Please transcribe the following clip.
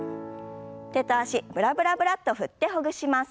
手と脚ブラブラブラッと振ってほぐします。